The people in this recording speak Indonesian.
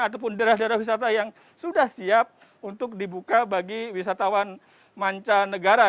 ataupun daerah daerah wisata yang sudah siap untuk dibuka bagi wisatawan mancanegara